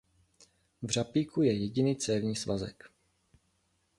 V řapíku je jediný cévní svazek.